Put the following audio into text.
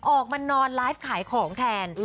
ออกมานอนไลฟ์ขายของแทน